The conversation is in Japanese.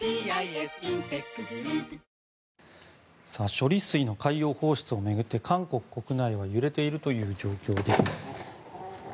処理水の海洋放出を巡って韓国国内は揺れているという状況です。